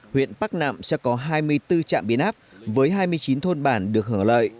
huyện bắc nạm sẽ có hai mươi bốn trạm biến áp với hai mươi chín thôn bản được hưởng lợi